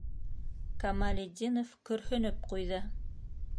- Камалетдинов көрһөнөп ҡуйҙы.